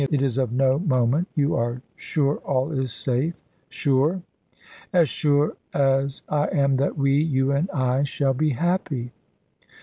It is of no moment. You are sure all is safe sure?" "As sure as I am that we, you and I, shall be happy."